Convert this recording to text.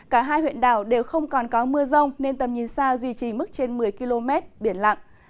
cả hai huyện đảo đều không còn có mưa rông nên tầm nhìn xa duy trì mức trên một mươi km biển lặng